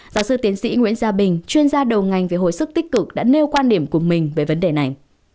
giáo sư tiến sĩ nguyễn gia bình chuyên gia đầu ngành về hồi sức tích cực đã nêu quan điểm của mình về vấn đề này